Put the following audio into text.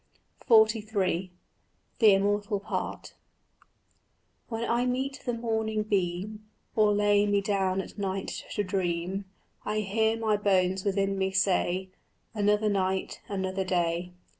XLIII THE IMMORTAL PART When I meet the morning beam, Or lay me down at night to dream, I hear my bones within me say, "Another night, another day."